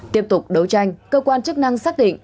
tiếp tục đấu tranh cơ quan chức năng xác định